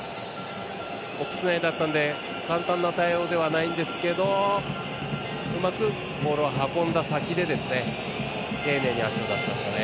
ボックス内だったんで簡単な対応ではないんですけどうまくボールを運んだ先で丁寧に足を出しましたね。